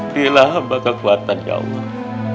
berilah hamba kekuatan ya allah